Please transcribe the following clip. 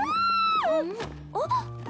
あっ。